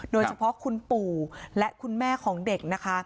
โดยเฉพาะคุณปู่และคุณแม่ของเด็กนะคะ